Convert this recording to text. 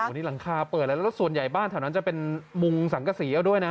วันนี้หลังคาเปิดแล้วแล้วส่วนใหญ่บ้านแถวนั้นจะเป็นมุงสังกษีเอาด้วยนะ